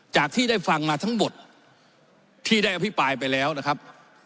จากที่ได้ฟังมาทั้งหมดที่ได้อภิปรายไปแล้วนะครับ